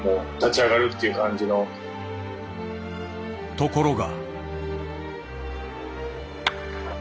ところが。